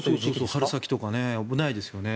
春先とか危ないですよね。